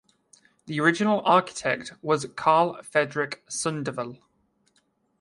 The original architect was Carl Fredrik Sundvall.